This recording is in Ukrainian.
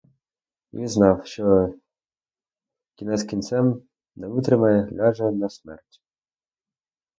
І він знав, що, кінець кінцем, не витримає, ляже — на смерть.